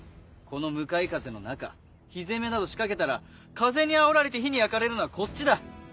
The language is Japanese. この向かい風の中火攻めなど仕掛けたら風にあおられて火に焼かれるのはこっちだ。